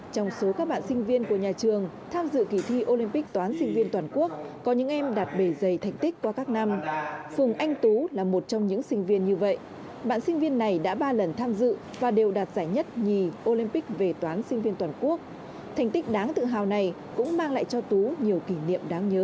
trong số các bạn sinh viên của nhà trường tham dự kỳ thi olympic toán sinh viên toàn quốc có những em đạt bề dày thành tích qua các năm phùng anh tú là một trong những sinh viên như vậy bạn sinh viên này đã ba lần tham dự và đều đạt giải nhất nhì olympic về toán sinh viên toàn quốc thành tích đáng tự hào này cũng mang lại cho tú nhiều kỷ niệm đáng nhớ